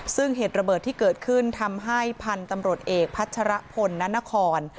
ซึ่งเหตุระเบิดที่เกิดขึ้นทำให้พันธุ์ตำรวจเอกพัชรพลนานคร